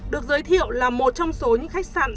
được giới thiệu là một trong số những khách sạn